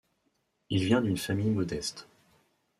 Il vient d'une famille modeste.